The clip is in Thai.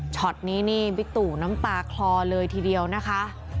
ช็อตนี้นี่บิ๊กตู่น้ำตาคลอเลยทีเดียวนะคะ